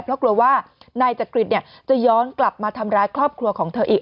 เพราะกลัวว่านายจักริตจะย้อนกลับมาทำร้ายครอบครัวของเธออีก